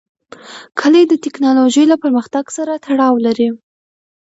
کلي د تکنالوژۍ له پرمختګ سره تړاو لري.